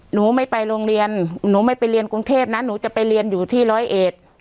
หนูไม่ไปโรงเรียนหนูไม่ไปเรียนกรุงเทพนะหนูจะไปเรียนอยู่ที่ร้อยเอ็ด